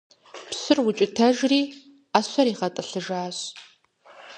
Пщыр укӀытэжри, Ӏэщэр игъэтӀылъыжащ.